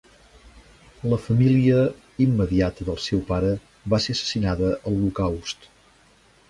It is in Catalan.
La família immediata del seu pare va ser assassinada a l'Holocaust.